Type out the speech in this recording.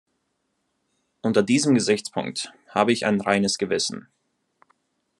Unter diesem Gesichtspunkt habe ich ein reines Gewissen.